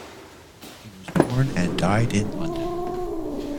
He was born and died in London.